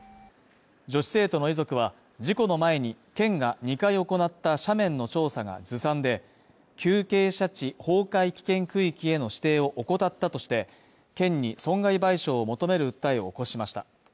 女子生徒の遺族は事故の前に、県が２回行った斜面の調査がずさんで急傾斜地崩壊危険区域への指定を怠ったとして県に損害賠償を求める訴えを起こしました。